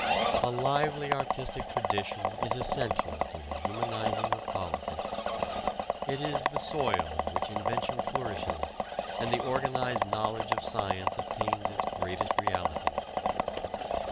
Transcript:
A lively artistic tradition is essential to the humanizing of politics. It is the soil in which invention flourishes and the organized knowledge of science attains its greatest reality.